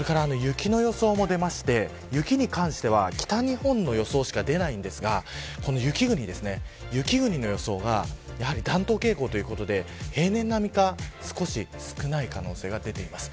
雪の予想も出まして雪に関しては北日本の予想しか出ませんが雪国の予想が暖冬傾向ということで平年並みか少し少ない可能性が出ています。